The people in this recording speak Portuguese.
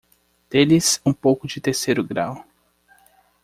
Dê-lhes um pouco de terceiro grau.